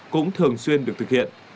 cũng thường xuyên được thực hiện